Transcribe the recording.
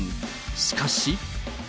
しかし。